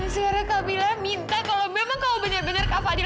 seorang kamila minta kalau memang kau benar benar kafa adil